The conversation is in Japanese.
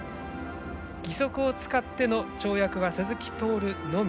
義足を使っての跳躍は鈴木徹のみ。